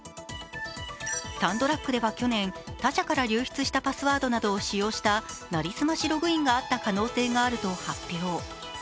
サンドラッグでは去年他社から流出したパスワードを使用した成り済ましログインがあった可能性があると発表。